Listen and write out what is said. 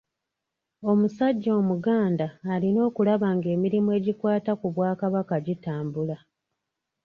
Omusajja omuganda alina okulaba ng'emirimu egikwata ku Bwakabaka gitambula.